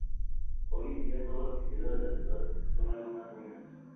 Hoy en día, todo lo que queda de la ciudad son algunas ruinas.